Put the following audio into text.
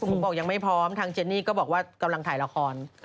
ผมบอกยังไม่พร้อมทางเจนนี่ก็บอกว่ากำลังถ่ายละคร